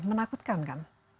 sesuatu yang mengkhawatirkan